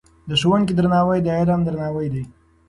د ښوونکي درناوی د علم درناوی دی.